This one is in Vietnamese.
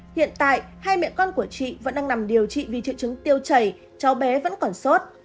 hiện tại hai mẹ con của chị vẫn đang nằm điều trị vì triệu chứng tiêu chảy cháu bé vẫn còn sốt